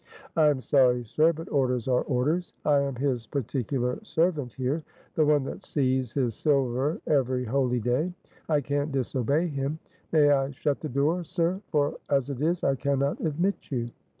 "I am sorry, sir, but orders are orders: I am his particular servant here the one that sees his silver every holyday. I can't disobey him. May I shut the door, sir? for as it is, I can not admit you."